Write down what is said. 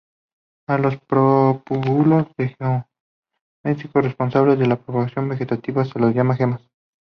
A los propágulos del gametófito, responsables de la propagación vegetativa, se los llama "gemas".